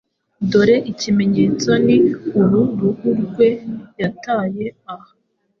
Dore ikimenyetso ni uru uruhu rwe yataye aha